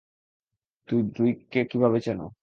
তুমি ড্রুইগকে কীভাবে চিনো?